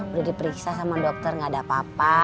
udah diperiksa sama dokter gak ada apa apa